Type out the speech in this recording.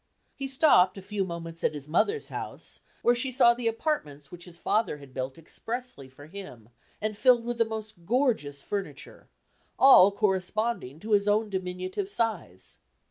He stopped a few moments at his mother's house, where she saw the apartments which his father had built expressly for him, and filled with the most gorgeous furniture all corresponding to his own diminutive size.